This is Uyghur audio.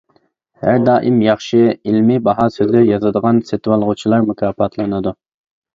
ھەر دائىم ياخشى، ئىلمىي باھا سۆزى يازىدىغان سېتىۋالغۇچىلار مۇكاپاتلىنىدۇ.